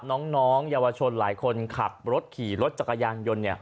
น้องเยาวชนหลายคนขับรถขี่รถจักรยานยนต์